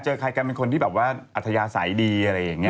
เจอใครมันก็เป็นคนที่หรือว่าอัธยาศัยดีอะไรเนี่ย